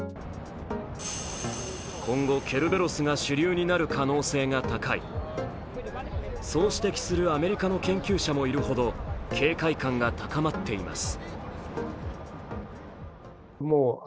今後、ケルベロスが主流になる可能性が高い、そう指摘するアメリカの研究者もいるほど警戒感が高まっています。